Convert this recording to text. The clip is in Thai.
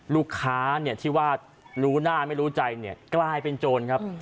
ลูกค้าที่ว่ารู้หน้าไม่รู้ใจกลายเป็นโจรครับ